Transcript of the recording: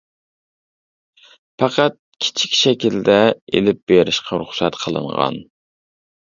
پەقەت كىچىك شەكىلدە ئېلىپ بېرىشقا رۇخسەت قىلىنغان.